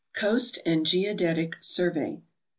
Coast and Geodetic Survey.